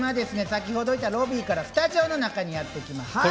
先ほどいたロビーからスタジオの中にやって来ましたよ。